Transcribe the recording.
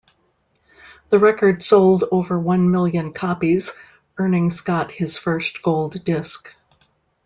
The record sold over one million copies, earning Scott his first gold disc.